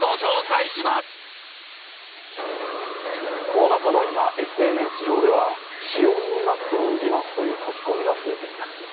コロナ禍の今、ＳＮＳ上では使用済みマスクを売りますという書き込みが増えています。